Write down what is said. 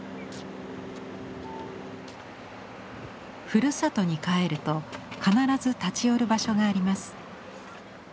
ふるさとに帰ると必ず立ち寄る場所があります。